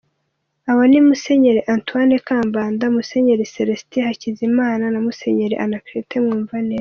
Abo ni; Musenyeri Antoine Kambanda, Musenyeri Celestin Hakizimana na Musenyeri Anaclet Mwumvaneza.